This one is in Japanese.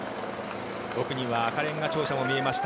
奥には赤れんが庁舎も見えました。